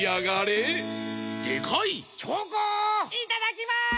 いただきます！